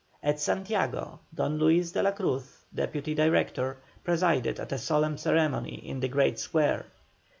At Santiago, Don Luis de la Cruz, Deputy Director, presided at a solemn ceremony in the great square.